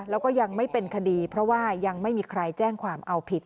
แล้วก็ยังไม่เป็นคดีเพราะว่ายังไม่มีใครแจ้งความเอาผิด